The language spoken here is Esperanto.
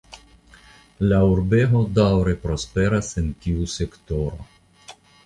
La urbego daŭre prosperas en tiu sektoro.